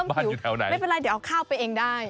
บ้านอยู่แถวไหนไม่เป็นไรเดี๋ยวเอาข้าวไปเองได้